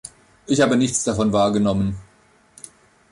Ich habe nichts davon wahrgenommen.